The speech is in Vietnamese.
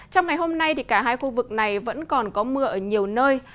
trong ngày hôm nay cả hai khu vực này vẫn còn có mưa ở nhiều nơi